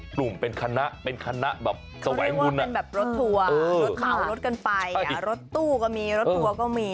ก็เป็นแบบรถทัวร์รถเขารถกันไปรถตู้ก็มีรถทัวก็มี